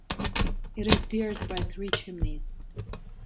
It is pierced by three chimneys.